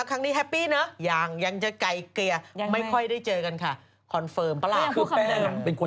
สัมภาษณ์แป้งไม่ต้องอ้อมคอมเลย